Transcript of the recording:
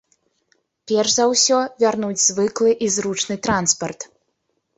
Перш за ўсё, вярнуць звыклы і зручны транспарт.